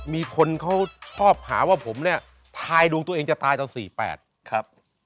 มีคนเขาชอบหาว่าผมเนี่ยทายดวงตัวเองจะตายตอน๔๘ครับ